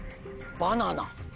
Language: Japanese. バナナ？